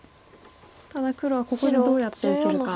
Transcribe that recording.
ただ黒はここでどうやって受けるか。